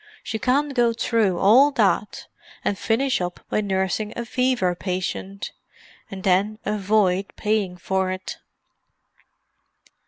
She can't go through all that and finish up by nursing a fever patient—and then avoid paying for it."